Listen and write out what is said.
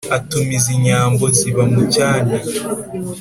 Atumiza inyambo ziba mu Cyanya